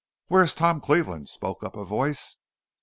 "Where is Tom Cleveland?" spoke up a voice.